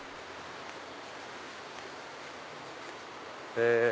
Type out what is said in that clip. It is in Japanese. え